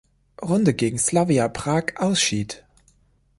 Runde gegen Slavia Prag ausschied.